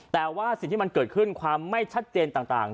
แต่ว่าสิ่งที่มันเกิดขึ้นความไม่ชัดเจนต่าง